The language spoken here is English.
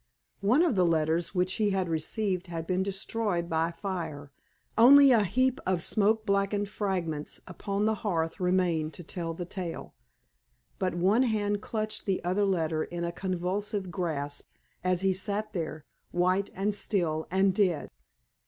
One of the letters which he had received had been destroyed by fire only a heap of smoke blackened fragments upon the hearth remained to tell the tale; but one hand clutched the other letter in a convulsive grasp, as he sat there, white, and still, and dead.